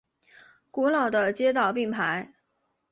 古老的街道并排。